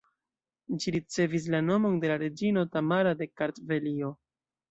Ĝi ricevis la nomon de la reĝino Tamara de Kartvelio.